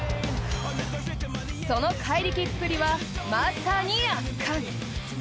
その怪力っぷりはまさに圧巻。